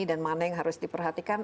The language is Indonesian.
dan mana yang harus diperhatikan